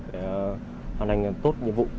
để hoàn thành tốt nhiệm vụ